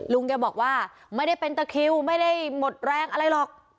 ลุงแกบอกว่าไม่ได้เป็นตะคิวไม่ได้หมดแรงอะไรหรอก